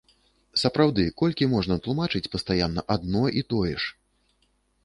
Сапраўды, колькі можна тлумачыць пастаянна адно і тое ж?